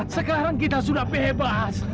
sekarang kita sudah bebas